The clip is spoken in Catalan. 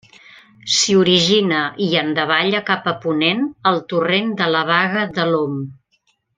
S'hi origina, i en davalla cap a ponent, el torrent de la Baga de l'Om.